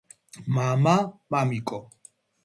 მამა მამიკო